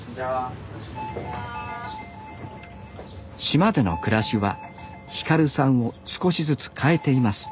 島での暮らしは輝さんを少しずつ変えています